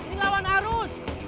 ini lawan arus